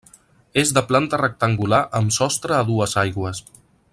És de planta rectangular amb sostre a dues aigües.